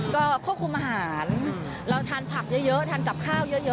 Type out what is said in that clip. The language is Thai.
ก็ควบคุมอาหารเราทานผักเยอะทานกับข้าวเยอะ